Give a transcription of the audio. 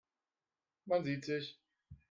Man sieht sich.